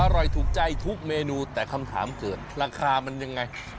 ถูกใจทุกเมนูแต่คำถามเกิดราคามันยังไง